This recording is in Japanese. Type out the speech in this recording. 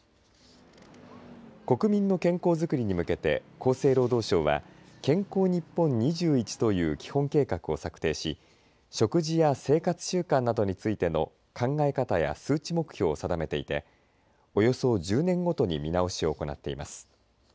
国民の健康作りに向けて厚生労働省は健康日本２１という基本計画を策定し食事や生活習慣などについての考え方や数値目標を定めていておよそ１０年ごとに見直しを行っています。